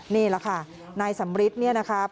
นี่แหละค่ะนายสำริทเนี่ยนะครับ